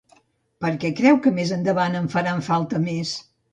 Per què creu que més endavant en faran falta més?